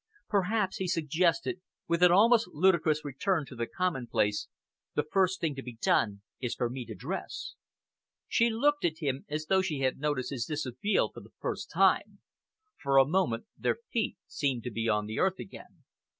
"Perhaps," he suggested, with an almost ludicrous return to the commonplace, "the first thing to be done is for me to dress." She looked at him as though she had noticed his dishabille for the first time. For a moment their feet seemed to be on the earth again.